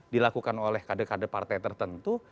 dilakukan oleh kade kade partai tertentu